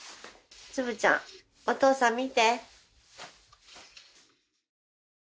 つぶちゃんお父さん見て。